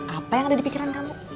apa yang ada di pikiran kamu